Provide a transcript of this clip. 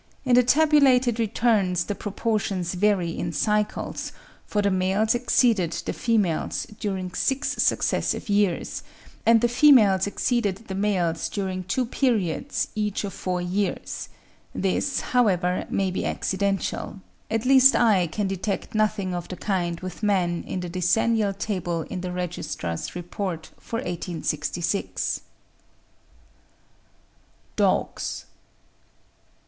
In the tabulated returns the proportions vary in cycles, for the males exceeded the females during six successive years; and the females exceeded the males during two periods each of four years; this, however, may be accidental; at least I can detect nothing of the kind with man in the decennial table in the Registrar's Report for 1866. DOGS.